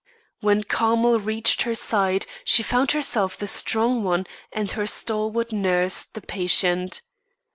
When Carmel reached her side, she found herself the strong one and her stalwart nurse the patient.